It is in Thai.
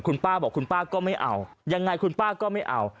คุณป้าบอกคุณป้าก็ไม่เอายังไงคุณป้าก็ไม่เอา